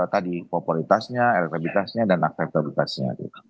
tadi kualitasnya elektribitasnya dan akseptoritasnya gitu